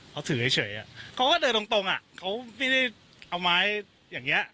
เขาถือเฉยเขาก็เดินตรงอ่ะเขาไม่ได้เอาไม้อย่างนี้